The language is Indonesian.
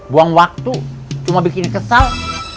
buang waktu cuma bikin kesal